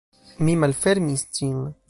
Mi malfermis ĝin.